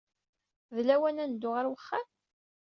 D lawan ad neddu ɣer wexxam?